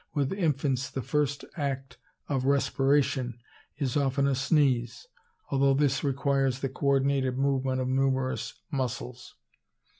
With infants the first act of respiration is often a sneeze, although this requires the co ordinated movement of numerous muscles.